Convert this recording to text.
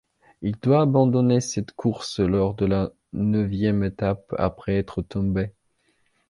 Il doit abandonner cette course lors de la neuvième étape, après être tombé.